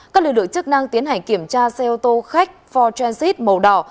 các lực lượng chức năng tiến hành kiểm tra xe ô tô khách for transit màu đỏ